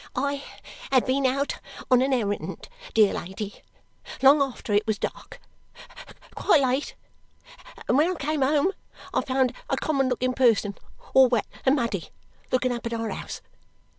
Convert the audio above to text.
"I had been out on an errand, dear lady long after it was dark quite late; and when I came home, I found a common looking person, all wet and muddy, looking up at our house.